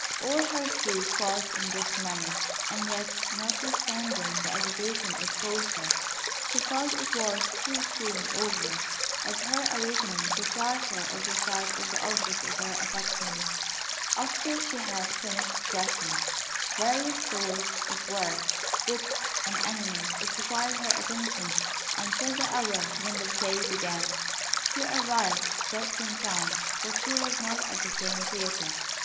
All her sleep passed in this manner, and yet, notwithstanding the agitation it caused her, she felt it was too soon over, as her awakening deprived her of the sight of the object of her affections. After she had finished dressing, various sorts of work, books, and animals occupied her attention until the hour when the play began. She arrived just in time, but she was not at the same theatre.